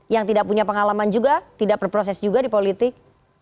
yang tidak punya pengalaman juga tidak berproses juga di politik